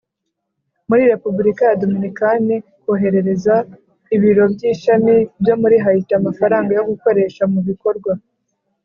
muri Repubulika ya Dominikani koherereza ibiro by ishami byo muri Hayiti amafaranga yo gukoresha mu bikorwa